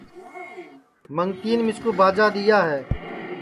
منگتِئین مِسکُو باجا دِؔیا ہے